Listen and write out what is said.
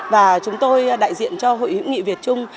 và chúng tôi đại diện cho hội hữu nghị việt trung